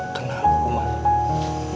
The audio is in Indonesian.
kenal umat lo